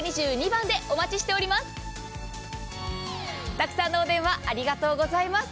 たくさんのお電話ありがとうございます。